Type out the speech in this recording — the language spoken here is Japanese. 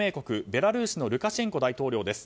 ベラルーシのルカシェンコ大統領です。